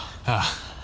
ああ。